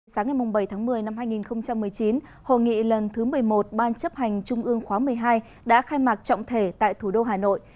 sáng ngày bảy tháng một mươi năm hai nghìn một mươi chín hội nghị lần thứ một mươi một ban chấp hành trung ương khóa một mươi hai đã khai mạc trọng thể tại thủ đô hà nội